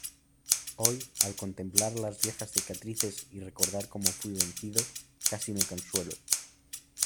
hoy, al contemplar las viejas cicatrices y recordar cómo fuí vencido , casi me consuelo.